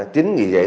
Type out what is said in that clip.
chính vì vậy